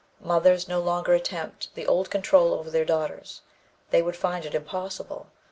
Mothers no longer attempt the old control over their daughters; they would find it impossible.